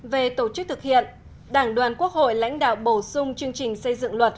về tổ chức thực hiện đảng đoàn quốc hội lãnh đạo bổ sung chương trình xây dựng luật